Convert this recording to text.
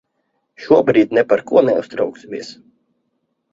Šobrīd ne par ko neuztrauksimies.